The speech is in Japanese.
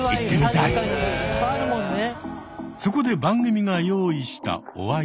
そこで番組が用意したお相手は。